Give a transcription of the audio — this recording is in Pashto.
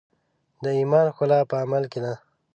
د ایمان ښکلا په عمل کې ده.